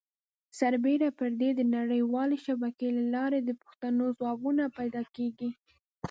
سربیره پر دې د نړۍ والې شبکې له لارې د پوښتنو ځوابونه پیدا کېږي.